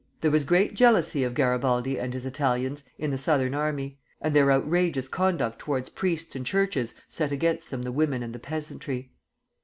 There was great jealousy of Garibaldi and his Italians in the Southern army, and their outrageous conduct towards priests and churches set against them the women and the peasantry.